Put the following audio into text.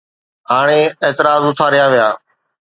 هاڻي اعتراض اٿاريا ويا.